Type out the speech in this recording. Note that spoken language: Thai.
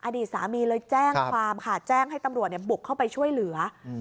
อดีตสามีเลยแจ้งความค่ะแจ้งให้ตำรวจเนี่ยบุกเข้าไปช่วยเหลือ